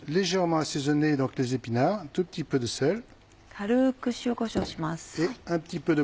軽く塩こしょうします。